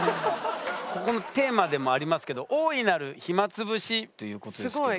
ここのテーマでもありますけど「大いなる暇つぶし」ということですけど。